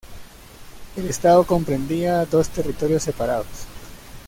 El estado comprendía dos territorios separados.